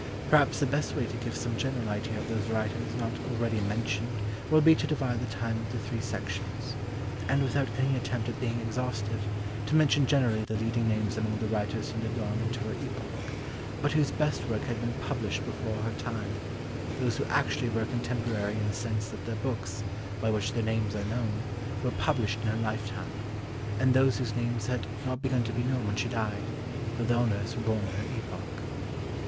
Perhaps the best way to give some general idea of those writers not already mentioned will be to divide the time into three sections; and, without any attempt at being exhaustive, to mention generally the leading names among the writers who lived on into her epoch, but whose best work had been published before her time; those who actually were contemporary in the sense that their books, by which their names are known, were published in her lifetime; and those whose names had not begun to be known when she died, though the owners were born in her epoch.